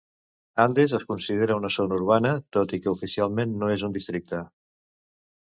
Andes es considera una zona urbana, tot i que oficialment no és un districte.